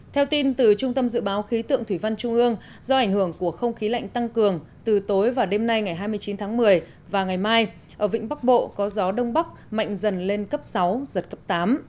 theo tin từ trung tâm dự báo khí tượng thủy văn trung ương do ảnh hưởng của không khí lạnh tăng cường từ tối và đêm nay ngày hai mươi chín tháng một mươi và ngày mai ở vĩnh bắc bộ có gió đông bắc mạnh dần lên cấp sáu giật cấp tám